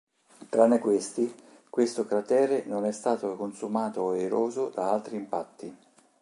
Tranne questi, questo cratere non è stato consumato o eroso da altri impatti.